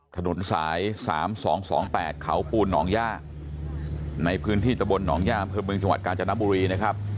ถนนสาย๓๒๒๘เขาปูนหนองย่าในพื้นที่ตะบลหนองย่าอำเภอเมืองจังหวัดกาญจนบุรีนะครับ